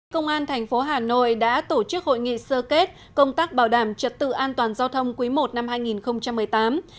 công an thành phố hà nội đã tổ chức hội nghị sơ kết công tác bảo đảm trật tự an toàn giao thông quý i năm hai nghìn một mươi tám